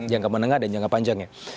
jangka menengah dan jangka panjangnya